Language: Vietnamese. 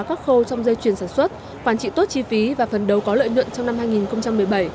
các khâu trong dây chuyển sản xuất quản trị tốt chi phí và phần đầu có lợi nhuận trong năm hai nghìn một mươi bảy